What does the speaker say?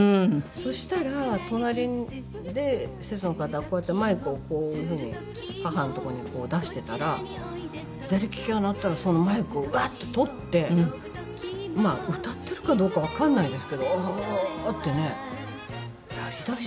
そしたら隣で施設の方がこうやってマイクをこういうふうに母のとこに出していたら『左きき』が鳴ったらそのマイクをワッと取って歌っているかどうかわからないですけど「アー」ってねやりだしたんですよ。